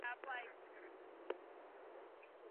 فارمسي پوهنځۍ له اجازې پرته نه کارول کیږي.